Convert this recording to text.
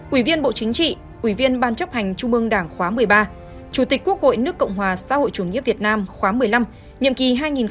ủy viên bộ chính trị ủy viên ban chấp hành trung ương đảng khóa một mươi ba chủ tịch quốc hội nước cộng hòa xã hội chủ nghĩa việt nam khóa một mươi năm nhiệm kỳ hai nghìn một mươi sáu hai nghìn hai mươi một